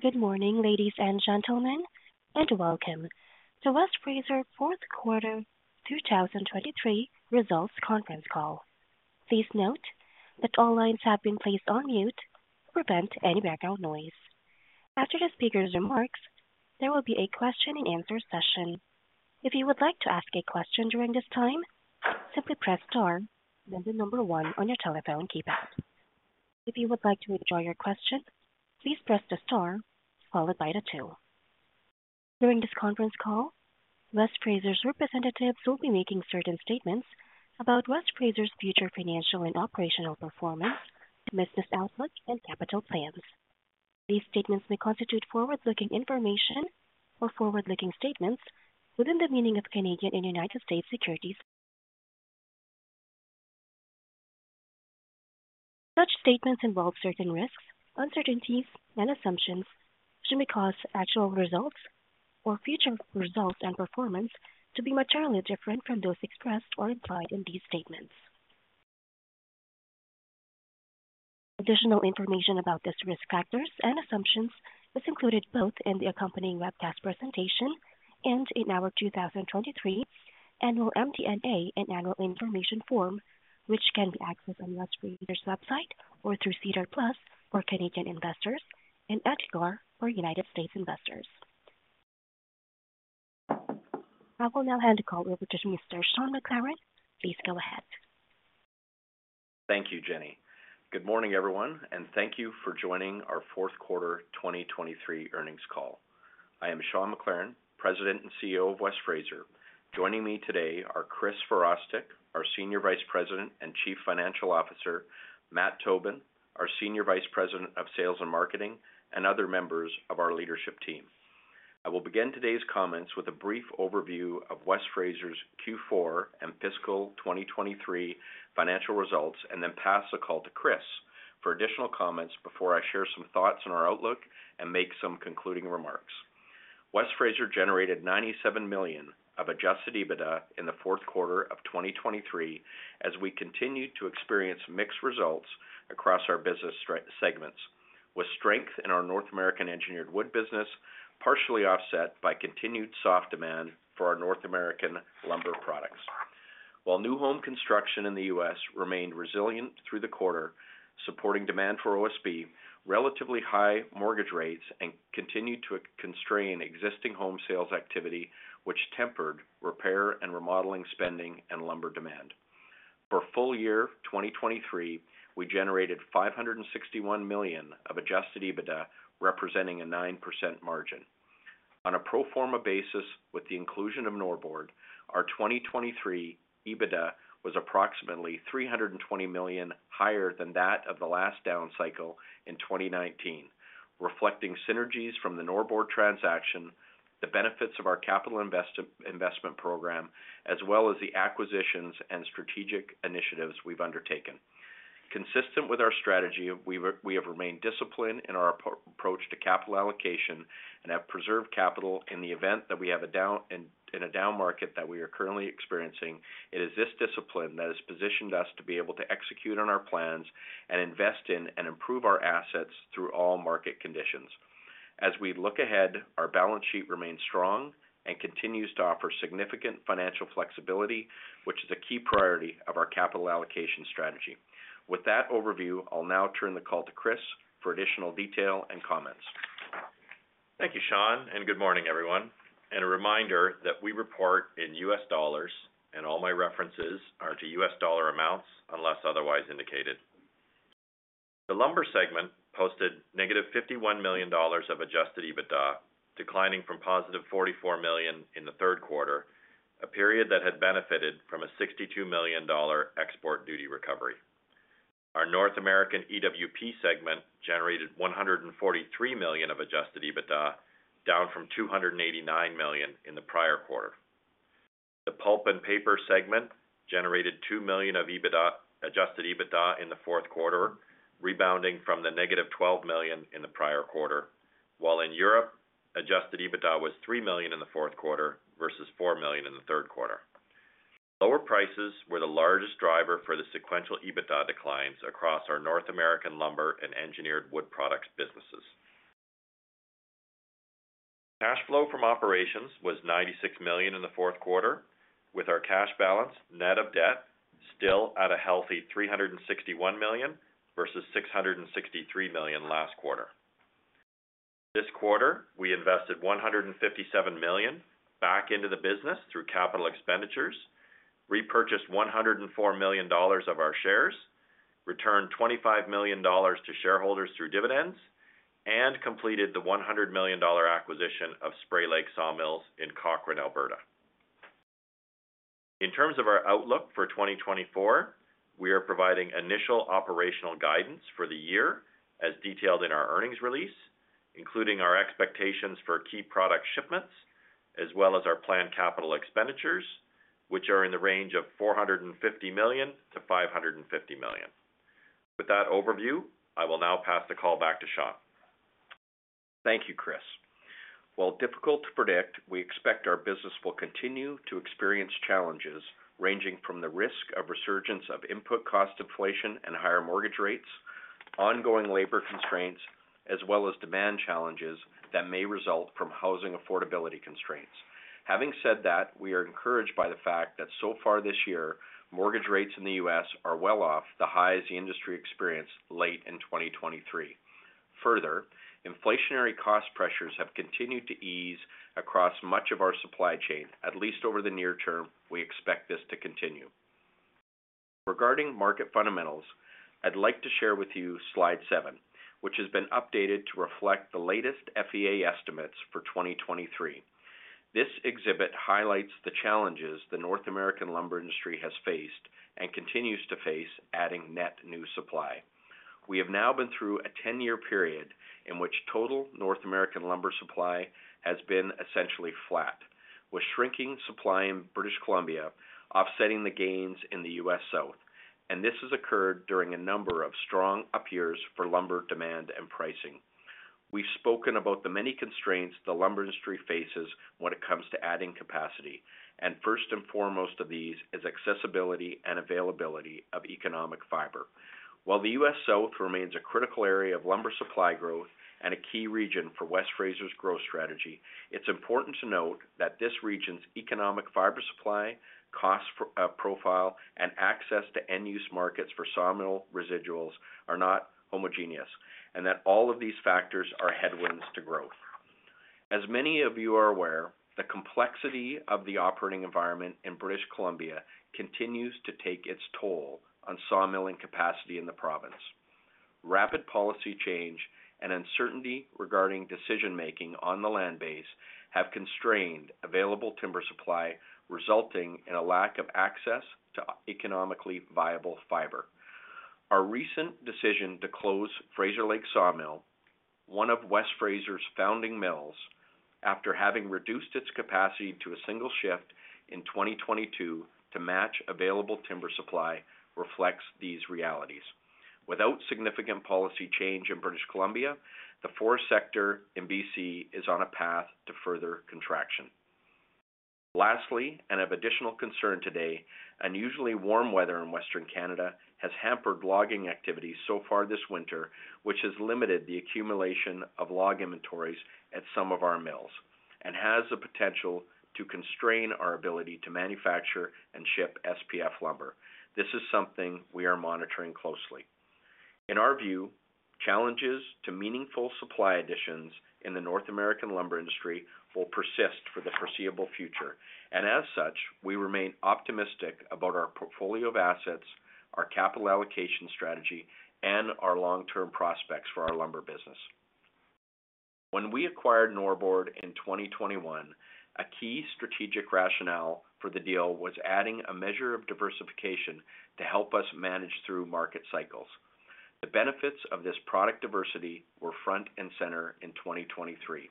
Good morning, ladies and gentlemen, and welcome to West Fraser fourth quarter 2023 results conference call. Please note that all lines have been placed on mute to prevent any background noise. After the speaker's remarks, there will be a question-and-answer session. If you would like to ask a question during this time, simply press star, then one on your telephone keypad. If you would like to withdraw your question, please press the star followed by two. During this conference call, West Fraser's representatives will be making certain statements about West Fraser's future financial and operational performance, business outlook, and capital plans. These statements may constitute forward-looking information or forward-looking statements within the meaning of Canadian and United States securities. Such statements involve certain risks, uncertainties, and assumptions that could cause actual results or future results and performance to be materially different from those expressed or implied in these statements. Additional information about these risk factors and assumptions is included both in the accompanying webcast presentation and in our 2023 annual MD&A and annual information form, which can be accessed on West Fraser's website or through SEDAR+ for Canadian investors and EDGAR for United States investors. I will now hand the call over to Mr. Sean McLaren. Please go ahead. Thank you, Jenny. Good morning, everyone, and thank you for joining our fourth Quarter 2023 earnings call. I am Sean McLaren, President and CEO of West Fraser. Joining me today are Chris Virostek, our Senior Vice President and Chief Financial Officer, Matt Tobin, our Senior Vice President of Sales and Marketing, and other members of our leadership team. I will begin today's comments with a brief overview of West Fraser's Q4 and fiscal 2023 financial results and then pass the call to Chris for additional comments before I share some thoughts on our outlook and make some concluding remarks. West Fraser generated $97 million of Adjusted EBITDA in the fourth quarter of 2023 as we continue to experience mixed results across our business segments, with strength in our North American engineered wood business partially offset by continued soft demand for our North American lumber products. While new home construction in the U.S. remained resilient through the quarter, supporting demand for OSB, relatively high mortgage rates, and continued to constrain existing home sales activity, which tempered repair and remodeling spending and lumber demand. For full year 2023, we generated $561 million of Adjusted EBITDA, representing a 9% margin. On a pro forma basis, with the inclusion of Norbord, our 2023 EBITDA was approximately $320 million higher than that of the last down cycle in 2019, reflecting synergies from the Norbord transaction, the benefits of our capital investment program, as well as the acquisitions and strategic initiatives we've undertaken. Consistent with our strategy, we have remained disciplined in our approach to capital allocation and have preserved capital in the event that we have a down market that we are currently experiencing. It is this discipline that has positioned us to be able to execute on our plans and invest in and improve our assets through all market conditions. As we look ahead, our balance sheet remains strong and continues to offer significant financial flexibility, which is a key priority of our capital allocation strategy. With that overview, I'll now turn the call to Chris for additional detail and comments. Thank you, Sean, and good morning, everyone. A reminder that we report in U.S. dollars, and all my references are to U.S. dollar amounts unless otherwise indicated. The lumber segment posted negative $51 million of adjusted EBITDA, declining from positive $44 million in the third quarter, a period that had benefited from a $62 million export duty recovery. Our North American EWP segment generated $143 million of adjusted EBITDA, down from $289 million in the prior quarter. The pulp and paper segment generated $2 million of adjusted EBITDA in the fourth quarter, rebounding from the negative $12 million in the prior quarter, while in Europe, adjusted EBITDA was $3 million in the fourth quarter versus $4 million in the third quarter. Lower prices were the largest driver for the sequential EBITDA declines across our North American lumber and engineered wood products businesses. Cash flow from operations was $96 million in the fourth quarter, with our cash balance net of debt still at a healthy $361 million versus $663 million last quarter. This quarter, we invested $157 million back into the business through capital expenditures, repurchased $104 million of our shares, returned $25 million to shareholders through dividends, and completed the $100 million acquisition of Spray Lake Sawmills in Cochrane, Alberta. In terms of our outlook for 2024, we are providing initial operational guidance for the year as detailed in our earnings release, including our expectations for key product shipments as well as our planned capital expenditures, which are in the range of $450 million-$550 million. With that overview, I will now pass the call back to Sean. Thank you, Chris. While difficult to predict, we expect our business will continue to experience challenges ranging from the risk of resurgence of input cost inflation and higher mortgage rates, ongoing labor constraints, as well as demand challenges that may result from housing affordability constraints. Having said that, we are encouraged by the fact that so far this year, mortgage rates in the U.S. are well off the highs the industry experienced late in 2023. Further, inflationary cost pressures have continued to ease across much of our supply chain. At least over the near term, we expect this to continue. Regarding market fundamentals, I'd like to share with you slide seven, which has been updated to reflect the latest FEA estimates for 2023. This exhibit highlights the challenges the North American lumber industry has faced and continues to face adding net new supply. We have now been through a 10-year period in which total North American lumber supply has been essentially flat, with shrinking supply in British Columbia offsetting the gains in the U.S. South. This has occurred during a number of strong up years for lumber demand and pricing. We've spoken about the many constraints the lumber industry faces when it comes to adding capacity, and first and foremost of these is accessibility and availability of economic fiber. While the U.S. South remains a critical area of lumber supply growth and a key region for West Fraser's growth strategy, it's important to note that this region's economic fiber supply, cost profile, and access to end-use markets for sawmill residuals are not homogeneous, and that all of these factors are headwinds to growth. As many of you are aware, the complexity of the operating environment in British Columbia continues to take its toll on sawmilling capacity in the province. Rapid policy change and uncertainty regarding decision-making on the land base have constrained available timber supply, resulting in a lack of access to economically viable fiber. Our recent decision to close Fraser Lake Sawmill, one of West Fraser's founding mills, after having reduced its capacity to a single shift in 2022 to match available timber supply, reflects these realities. Without significant policy change in British Columbia, the forest sector in BC is on a path to further contraction. Lastly, and of additional concern today, unusually warm weather in Western Canada has hampered logging activities so far this winter, which has limited the accumulation of log inventories at some of our mills and has the potential to constrain our ability to manufacture and ship SPF lumber. This is something we are monitoring closely. In our view, challenges to meaningful supply additions in the North American lumber industry will persist for the foreseeable future. And as such, we remain optimistic about our portfolio of assets, our capital allocation strategy, and our long-term prospects for our lumber business. When we acquired Norbord in 2021, a key strategic rationale for the deal was adding a measure of diversification to help us manage through market cycles. The benefits of this product diversity were front and center in 2023.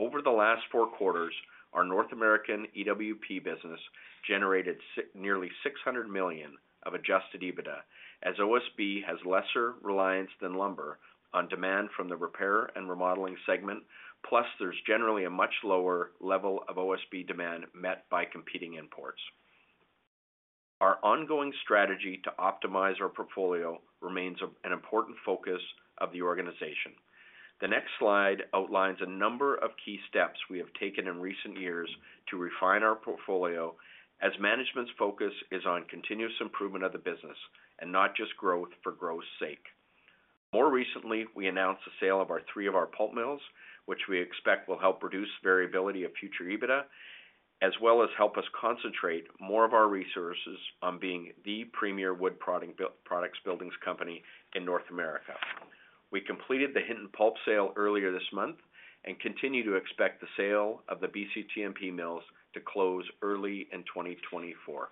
Over the last four quarters, our North American EWP business generated nearly $600 million of adjusted EBITDA, as OSB has lesser reliance than lumber on demand from the repair and remodeling segment, plus there's generally a much lower level of OSB demand met by competing imports. Our ongoing strategy to optimize our portfolio remains an important focus of the organization. The next slide outlines a number of key steps we have taken in recent years to refine our portfolio, as management's focus is on continuous improvement of the business and not just growth for growth's sake. More recently, we announced the sale of three of our pulp mills, which we expect will help reduce variability of future EBITDA, as well as help us concentrate more of our resources on being the premier Wood Products buildings company in North America. We completed the Hinton Pulp sale earlier this month and continue to expect the sale of the BCTMP mills to close early in 2024.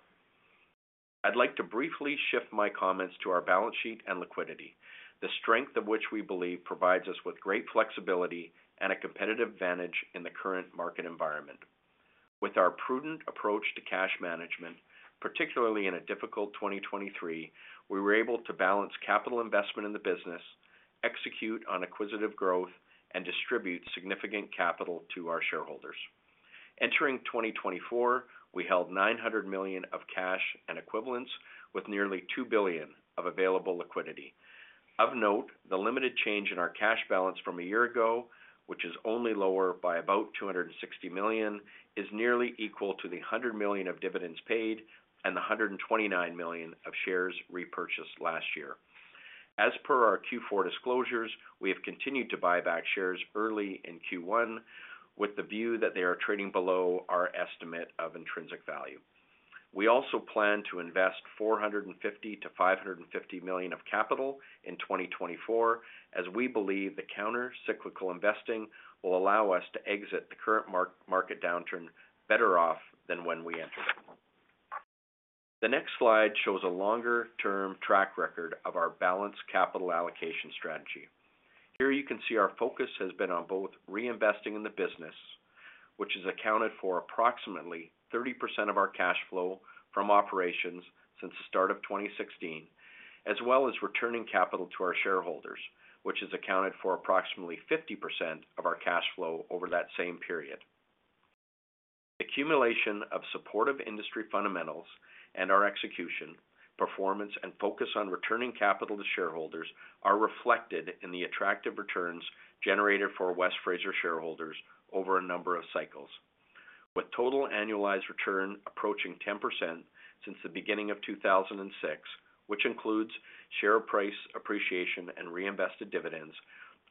I'd like to briefly shift my comments to our balance sheet and liquidity, the strength of which we believe provides us with great flexibility and a competitive advantage in the current market environment. With our prudent approach to cash management, particularly in a difficult 2023, we were able to balance capital investment in the business, execute on acquisitive growth, and distribute significant capital to our shareholders. Entering 2024, we held $900 million of cash and equivalents, with nearly $2 billion of available liquidity. Of note, the limited change in our cash balance from a year ago, which is only lower by about $260 million, is nearly equal to the $100 million of dividends paid and the $129 million of shares repurchased last year. As per our Q4 disclosures, we have continued to buy back shares early in Q1 with the view that they are trading below our estimate of intrinsic value. We also plan to invest $450 million-$550 million of capital in 2024, as we believe the countercyclical investing will allow us to exit the current market downturn better off than when we entered it. The next slide shows a longer-term track record of our balanced capital allocation strategy. Here you can see our focus has been on both reinvesting in the business, which has accounted for approximately 30% of our cash flow from operations since the start of 2016, as well as returning capital to our shareholders, which has accounted for approximately 50% of our cash flow over that same period. The accumulation of supportive industry fundamentals and our execution, performance, and focus on returning capital to shareholders are reflected in the attractive returns generated for West Fraser shareholders over a number of cycles. With total annualized return approaching 10% since the beginning of 2006, which includes share price appreciation and reinvested dividends,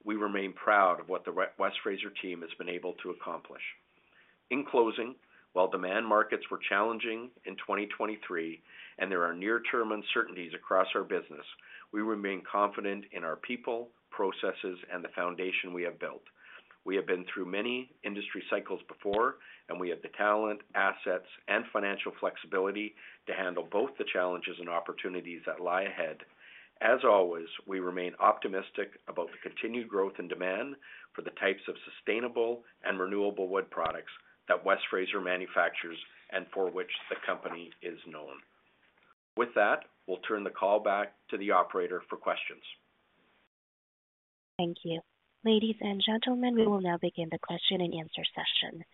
we remain proud of what the West Fraser team has been able to accomplish. In closing, while demand markets were challenging in 2023 and there are near-term uncertainties across our business, we remain confident in our people, processes, and the foundation we have built. We have been through many industry cycles before, and we have the talent, assets, and financial flexibility to handle both the challenges and opportunities that lie ahead. As always, we remain optimistic about the continued growth and demand for the types of sustainable and renewable wood products that West Fraser manufactures and for which the company is known. With that, we'll turn the call back to the operator for questions. Thank you. Ladies and gentlemen, we will now begin the question and answer session.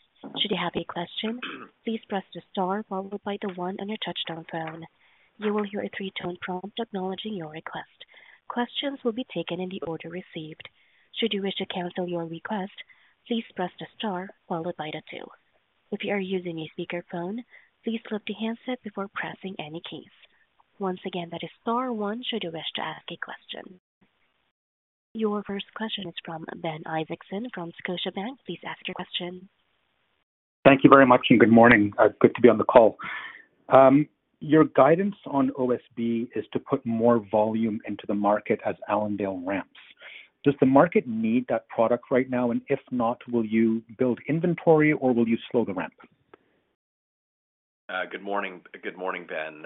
Should you have a question, please press the star followed by the one on your touch-tone phone. You will hear a three-tone prompt acknowledging your request. Questions will be taken in the order received. Should you wish to cancel your request, please press the star followed by the two. If you are using a speakerphone, please pick up the handset before pressing any keys. Once again, that is star one should you wish to ask a question. Your first question is from Ben Isaacson from Scotiabank. Please ask your question. Thank you very much and good morning. Good to be on the call. Your guidance on OSB is to put more volume into the market as Allendale ramps. Does the market need that product right now, and if not, will you build inventory or will you slow the ramp? Good morning, Ben.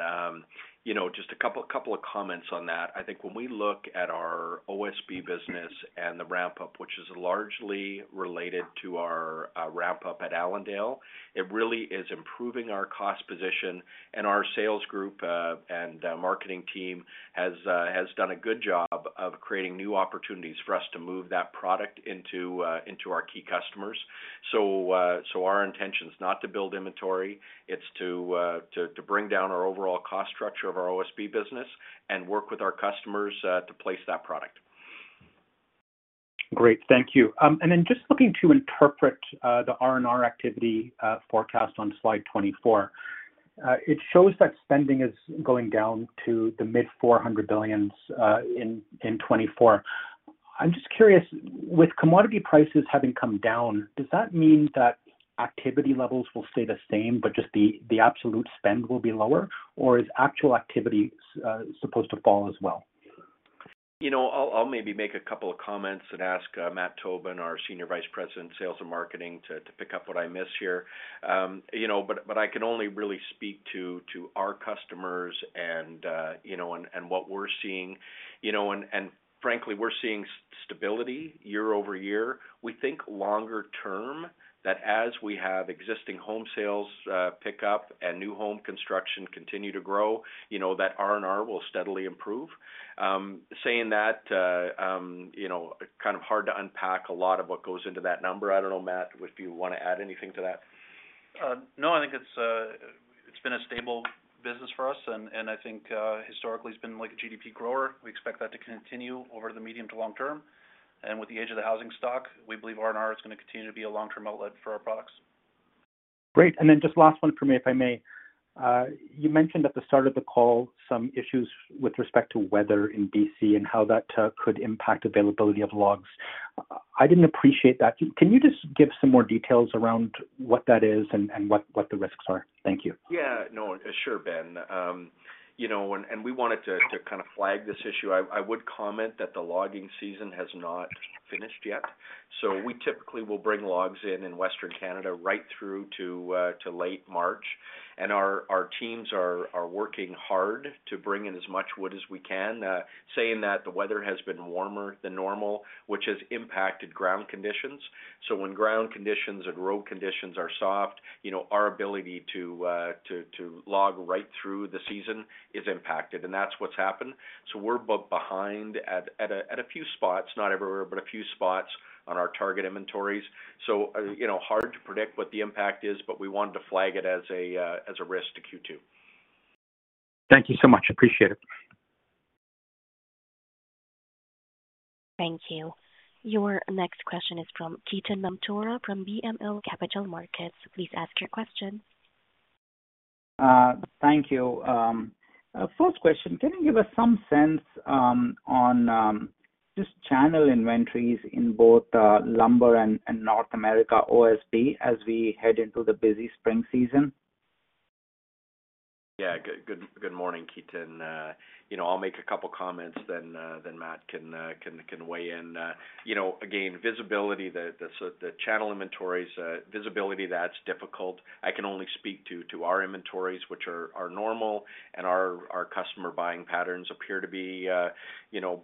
Just a couple of comments on that. I think when we look at our OSB business and the ramp-up, which is largely related to our ramp-up at Allendale, it really is improving our cost position. Our sales group and marketing team has done a good job of creating new opportunities for us to move that product into our key customers. Our intention is not to build inventory. It's to bring down our overall cost structure of our OSB business and work with our customers to place that product. Great. Thank you. And then just looking to interpret the R&R activity forecast on slide 24, it shows that spending is going down to the mid $400 billion in 2024. I'm just curious, with commodity prices having come down, does that mean that activity levels will stay the same but just the absolute spend will be lower, or is actual activity supposed to fall as well? I'll maybe make a couple of comments and ask Matt Tobin, our Senior Vice President, Sales and Marketing, to pick up what I missed here. But I can only really speak to our customers and what we're seeing. And frankly, we're seeing stability year-over-year. We think longer term that as we have existing home sales pick up and new home construction continue to grow, that R&R will steadily improve. Saying that, kind of hard to unpack a lot of what goes into that number. I don't know, Matt, if you want to add anything to that. No, I think it's been a stable business for us. I think historically, it's been like a GDP grower. We expect that to continue over the medium to long term. With the age of the housing stock, we believe R&R is going to continue to be a long-term outlet for our products. Great. And then just last one for me, if I may. You mentioned at the start of the call some issues with respect to weather in B.C. and how that could impact availability of logs. I didn't appreciate that. Can you just give some more details around what that is and what the risks are? Thank you. Yeah. No, sure, Ben. We wanted to kind of flag this issue. I would comment that the logging season has not finished yet. We typically will bring logs in in Western Canada right through to late March. Our teams are working hard to bring in as much wood as we can, saying that the weather has been warmer than normal, which has impacted ground conditions. When ground conditions and road conditions are soft, our ability to log right through the season is impacted. That's what's happened. We're behind at a few spots, not everywhere, but a few spots on our target inventories. It's hard to predict what the impact is, but we wanted to flag it as a risk to Q2. Thank you so much. Appreciate it. Thank you. Your next question is from Ketan Mamtora from BMO Capital Markets. Please ask your question. Thank you. First question, can you give us some sense on just channel inventories in both lumber and North America OSB as we head into the busy spring season? Yeah. Good morning, Ketan. I'll make a couple of comments, then Matt can weigh in. Again, visibility, the channel inventories, visibility, that's difficult. I can only speak to our inventories, which are normal, and our customer buying patterns appear to be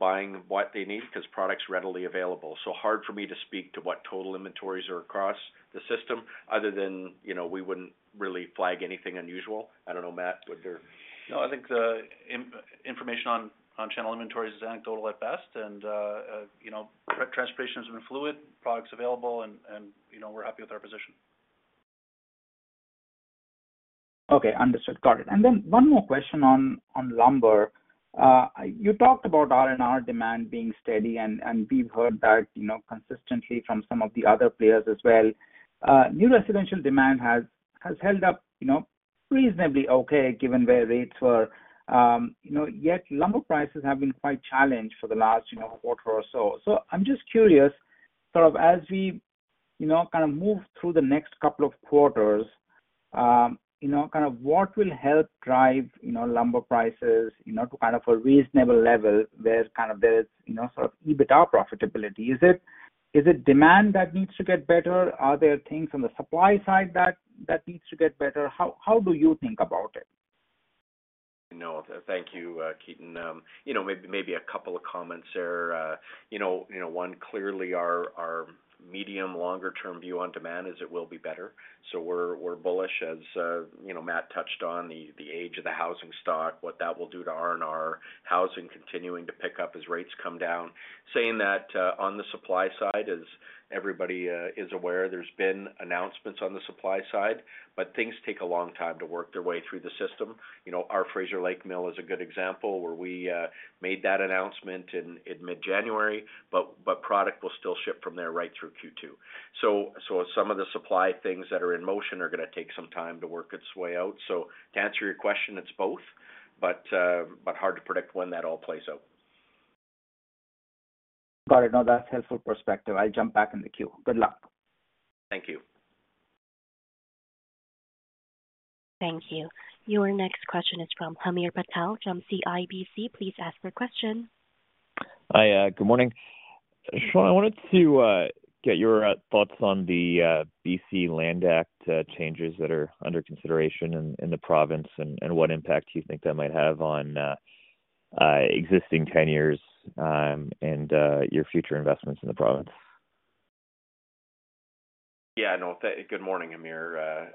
buying what they need because product's readily available. So hard for me to speak to what total inventories are across the system other than we wouldn't really flag anything unusual. I don't know, Matt, would there? No, I think the information on channel inventories is anecdotal at best. Transportation has been fluid, products available, and we're happy with our position. Okay. Understood. Got it. And then one more question on lumber. You talked about R&R demand being steady, and we've heard that consistently from some of the other players as well. New residential demand has held up reasonably okay given where rates were. Yet lumber prices have been quite challenged for the last quarter or so. So I'm just curious, sort of as we kind of move through the next couple of quarters, kind of what will help drive lumber prices to kind of a reasonable level where kind of there is sort of EBITDA profitability? Is it demand that needs to get better? Are there things on the supply side that needs to get better? How do you think about it? No, thank you, Ketan. Maybe a couple of comments there. One, clearly, our medium-longer-term view on demand is it will be better. So we're bullish, as Matt touched on, the age of the housing stock, what that will do to R&R, housing continuing to pick up as rates come down. Saying that on the supply side, as everybody is aware, there's been announcements on the supply side, but things take a long time to work their way through the system. Our Fraser Lake Mill is a good example where we made that announcement in mid January, but product will still ship from there right through Q2. So some of the supply things that are in motion are going to take some time to work its way out. So to answer your question, it's both, but hard to predict when that all plays out. Got it. No, that's helpful perspective. I'll jump back in the queue. Good luck. Thank you. Thank you. Your next question is from Hamir Patel from CIBC. Please ask your question. Hi. Good morning. Sean, I wanted to get your thoughts on the BC Land Act changes that are under consideration in the province and what impact you think that might have on existing tenures and your future investments in the province. Yeah. No, good morning, Hamir.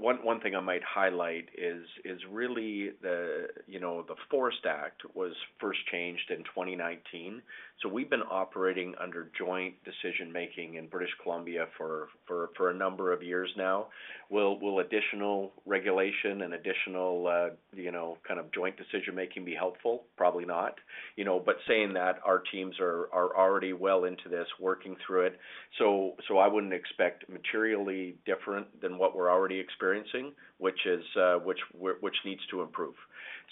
One thing I might highlight is really the Forest Act was first changed in 2019. So we've been operating under joint decision-making in British Columbia for a number of years now. Will additional regulation and additional kind of joint decision-making be helpful? Probably not. But saying that, our teams are already well into this, working through it. So I wouldn't expect materially different than what we're already experiencing, which needs to improve.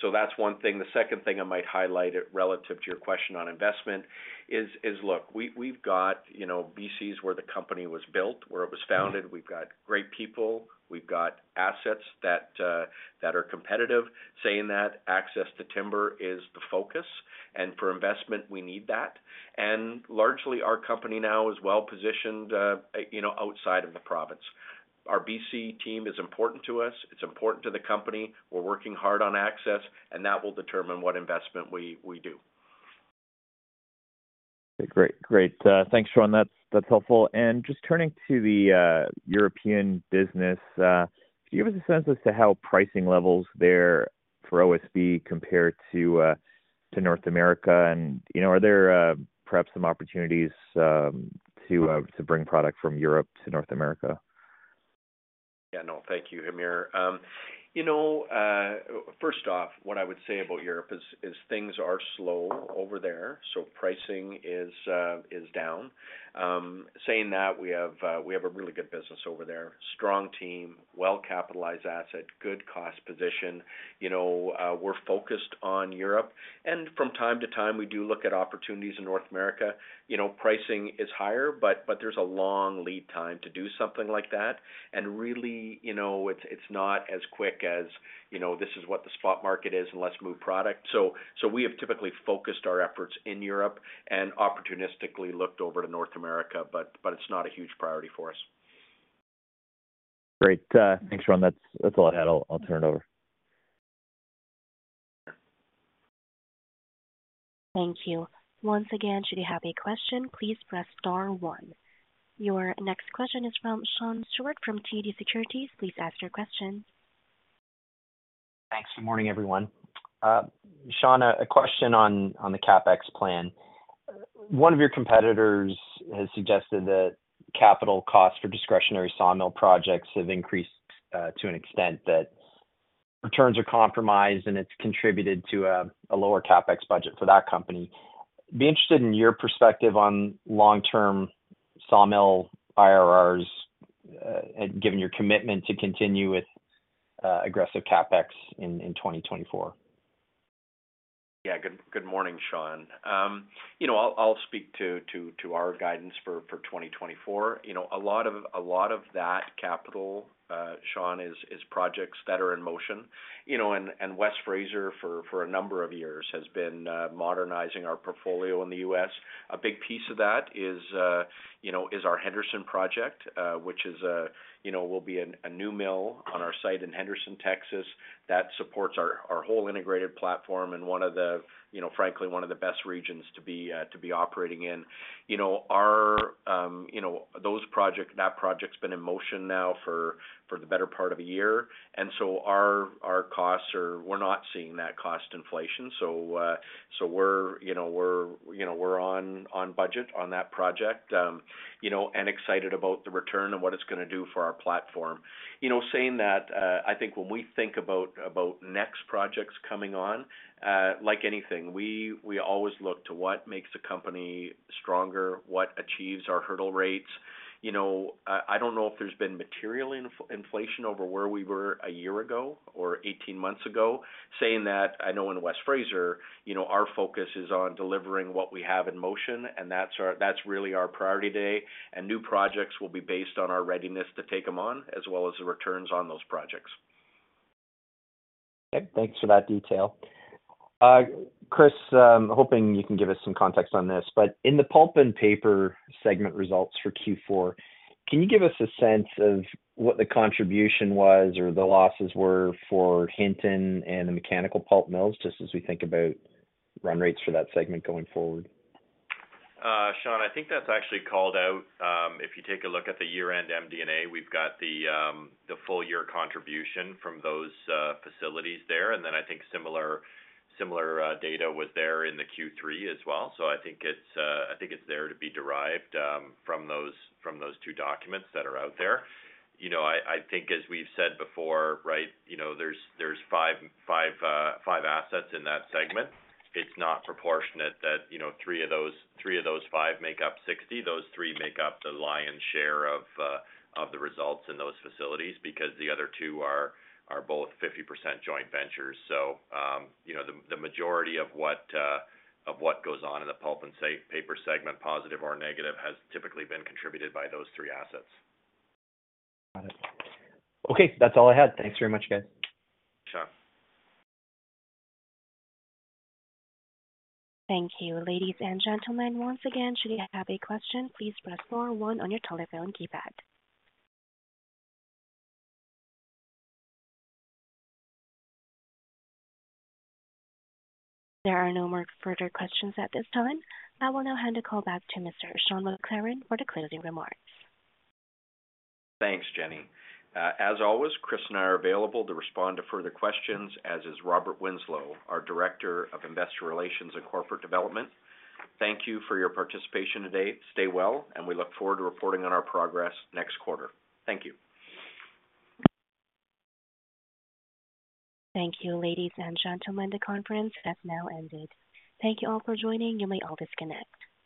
So that's one thing. The second thing I might highlight relative to your question on investment is, look, we've got BC is where the company was built, where it was founded. We've got great people. We've got assets that are competitive. Saying that, access to timber is the focus. And for investment, we need that. And largely, our company now is well-positioned outside of the province. Our BC team is important to us. It's important to the company. We're working hard on access, and that will determine what investment we do. Great. Thanks, Sean. That's helpful. Just turning to the European business, could you give us a sense as to how pricing levels there for OSB compare to North America? Are there perhaps some opportunities to bring product from Europe to North America? Yeah. No, thank you, Hamir. First off, what I would say about Europe is things are slow over there, so pricing is down. Saying that, we have a really good business over there, strong team, well-capitalized asset, good cost position. We're focused on Europe. And from time to time, we do look at opportunities in North America. Pricing is higher, but there's a long lead time to do something like that. And really, it's not as quick as, This is what the spot market is. And let's move product. So we have typically focused our efforts in Europe and opportunistically looked over to North America, but it's not a huge priority for us. Great. Thanks, Sean. That's all I had. I'll turn it over. Thank you. Once again, should you have a question, please press star 1. Your next question is from Sean Steuart from TD Securities. Please ask your question. Thanks. Good morning, everyone. Sean, a question on the CapEx plan. One of your competitors has suggested that capital costs for discretionary sawmill projects have increased to an extent that returns are compromised, and it's contributed to a lower CapEx budget for that company. Be interested in your perspective on long-term sawmill IRRs, given your commitment to continue with aggressive CapEx in 2024. Yeah. Good morning, Sean. I'll speak to our guidance for 2024. A lot of that capital, Sean, is projects that are in motion. And West Fraser, for a number of years, has been modernizing our portfolio in the U.S. A big piece of that is our Henderson project, which will be a new mill on our site in Henderson, Texas. That supports our whole integrated platform and, frankly, one of the best regions to be operating in. That project's been in motion now for the better part of a year. And so our costs are, we're not seeing that cost inflation. So we're on budget on that project and excited about the return and what it's going to do for our platform. Saying that, I think when we think about next projects coming on, like anything, we always look to what makes a company stronger, what achieves our hurdle rates. I don't know if there's been material inflation over where we were a year ago or 18 months ago. Saying that, I know in West Fraser, our focus is on delivering what we have in motion, and that's really our priority today. New projects will be based on our readiness to take them on as well as the returns on those projects. Okay. Thanks for that detail. Chris, hoping you can give us some context on this. But in the pulp and paper segment results for Q4, can you give us a sense of what the contribution was or the losses were for Hinton and the mechanical pulp mills, just as we think about run rates for that segment going forward? Sean, I think that's actually called out. If you take a look at the year-end MD&A, we've got the full-year contribution from those facilities there. And then I think similar data was there in the Q3 as well. So I think it's there to be derived from those two documents that are out there. I think, as we've said before, right, there's five assets in that segment. It's not proportionate that three of those five make up 60%. Those three make up the lion's share of the results in those facilities because the other two are both 50% joint ventures. So the majority of what goes on in the pulp and paper segment, positive or negative, has typically been contributed by those three assets. Got it. Okay. That's all I had. Thanks very much, guys. Sure. Thank you. Ladies and gentlemen, once again, should you have a question, please press star 1 on your telephone keypad. There are no more further questions at this time. I will now hand the call back to Mr. Sean McLaren for the closing remarks. Thanks, Jenny. As always, Chris and I are available to respond to further questions, as is Robert Winslow, our Director of Investor Relations and Corporate Development. Thank you for your participation today. Stay well, and we look forward to reporting on our progress next quarter. Thank you. Thank you. Ladies and gentlemen, the conference has now ended. Thank you all for joining. You may all disconnect.